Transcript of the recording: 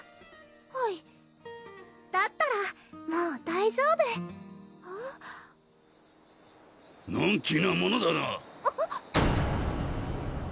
はいだったらもう大丈夫・のんきなものだな・あーっ！